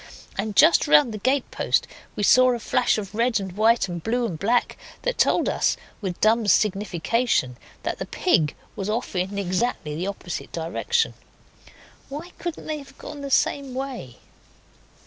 And just round the gatepost we saw a flash of red and white and blue and black that told us, with dumb signification, that the pig was off in exactly the opposite direction. Why couldn't they have gone the same way?